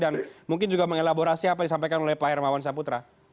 dan mungkin juga mengelaborasi apa yang disampaikan oleh pak hermawan saputra